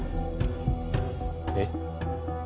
えっ？